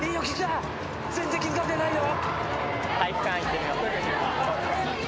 全然気付かれてないよ。